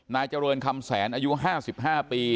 นายเจริญคำแสนอายุ๕๕ปี